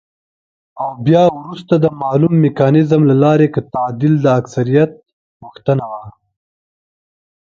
او بيا وروسته د مالوم ميکانيزم له لارې که تعديل د اکثريت غوښتنه وه،